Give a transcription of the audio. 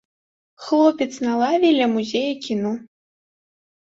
Хлопец на лаве ля музея кіно.